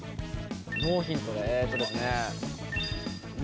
ノーヒントでえとですねえ